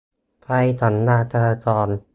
ไฟสัญญาณจราจร